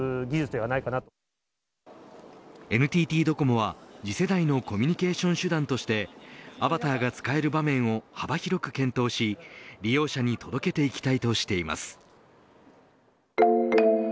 ＮＴＴドコモは次世代のコミュニケーション手段としてアバターが使える場面を幅広く検討し利用者に届けていきたいとしています。